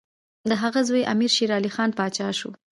د هغه زوی امیر شېرعلي خان پاچا شو.